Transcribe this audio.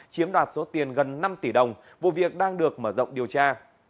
chiếm đoạt số tiền gần năm tỷ đồng vụ việc đang được mở rộng điều tra